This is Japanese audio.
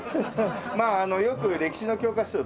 まあよく歴史の教科書等々で。